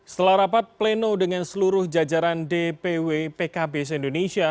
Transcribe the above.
setelah rapat pleno dengan seluruh jajaran dpw pkb se indonesia